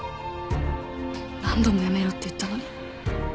何度もやめろって言ったのに。